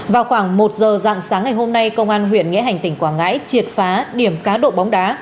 vào khoảng một giờ dạng sáng ngày hôm nay công an huyện nghĩa hành tỉnh quảng ngãi triệt phá điểm cá độ bóng đá